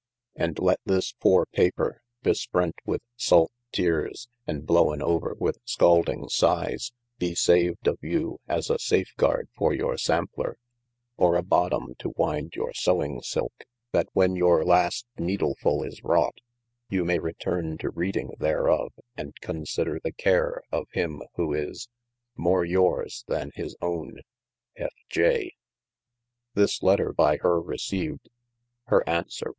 And lette this poore paper (besprent with sake teares, and blowen over with skalding sighes) bee saved of you as a safegarde for your sampler, or a bottome to winde your sowing silke, that when your last needelfull is wrought, you maye returne to reading thereof and consider the care of hym who is More youres than bis owne. F.J. 384 OF MASTER F. J.